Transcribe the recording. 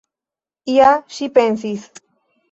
Ja ŝi pensis!